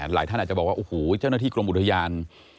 ท่านอาจจะบอกว่าโอ้โหเจ้าหน้าที่กรมอุทยาน